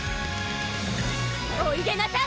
おいでなさい！